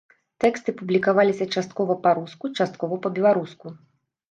Тэксты публікаваліся часткова па-руску, часткова па-беларуску.